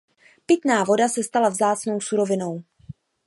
Pitná voda se stala vzácnou surovinou.